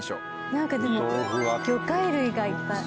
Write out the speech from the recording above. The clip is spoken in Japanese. なんかでも魚介類がいっぱい。